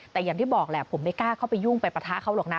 แต่อย่างที่บอกแหละผมไม่กล้าเข้าไปยุ่งไปปะทะเขาหรอกนะ